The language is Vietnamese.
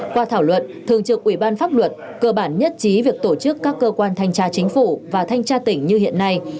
qua thảo luận thường trực ủy ban pháp luật cơ bản nhất trí việc tổ chức các cơ quan thanh tra chính phủ và thanh tra tỉnh như hiện nay